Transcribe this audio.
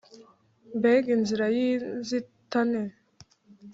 mbega inzira y'inzitane